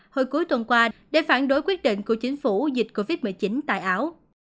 hồi cuối tuần qua để phản đối quyết định của chính phủ dịch covid một mươi chín tại áo